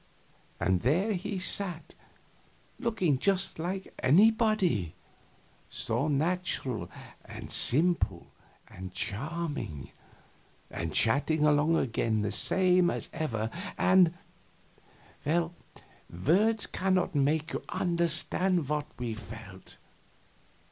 And there he sat, looking just like anybody so natural and simple and charming, and chatting along again the same as ever, and well, words cannot make you understand what we felt.